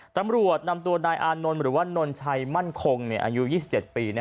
ตำรวจนำตัวนายอานนท์หรือว่านนชัยมั่นคงอายุ๒๗ปี